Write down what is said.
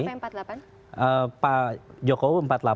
siapa yang empat puluh delapan siapa yang empat puluh delapan